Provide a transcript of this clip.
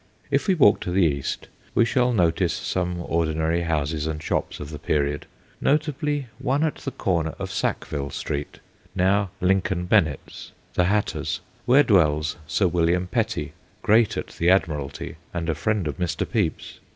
If we walk to the east we shall notice some ordinary houses and shops of the period, notably one at the corner of Sackville Street, now Lincoln Bennett's, the hatters, where dwells Sir William Petty, great at the Ad miralty and a friend of Mr. Pepys.